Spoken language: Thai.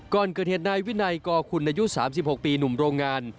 ก่อนเกิดเหตุนายวินัยกอคุณอายุ๓๖ปีหนุ่มโรงงาน